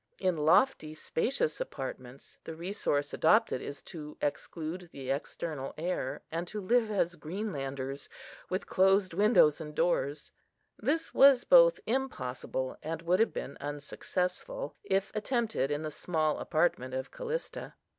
In lofty spacious apartments the resource adopted is to exclude the external air, and to live as Greenlanders, with closed windows and doors; this was both impossible, and would have been unsuccessful, if attempted in the small apartment of Callista.